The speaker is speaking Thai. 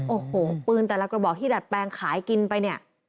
โอ้โหปืนแต่ละกระบอกที่ดัดแปลงขายกินไปเนี่ย